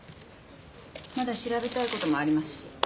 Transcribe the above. まだ調べたいこともありますし。